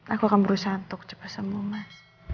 aku akan berusaha untuk cepat sembuh mas